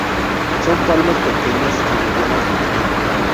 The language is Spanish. Son palmas pequeñas y medianas de tamaño.